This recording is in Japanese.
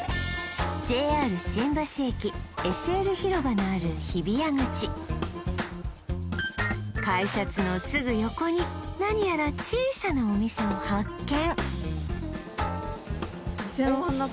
ＪＲ新橋駅ＳＬ広場のある日比谷口改札のすぐ横に何やら小さなお店を発見